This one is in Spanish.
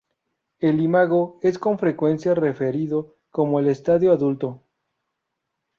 El imago es con frecuencia referido como el estadio adulto.